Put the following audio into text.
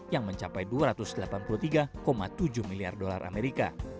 yang mencapai dua ratus delapan puluh tiga tujuh miliar dolar amerika